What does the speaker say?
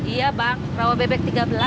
iya bang rawa bebek tiga belas